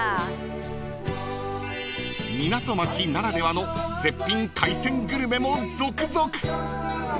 ［港町ならではの絶品海鮮グルメも続々］